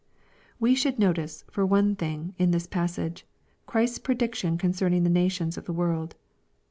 We should notice, for one thing, in this passage, Ghris^B prediction concerning the nations of the world.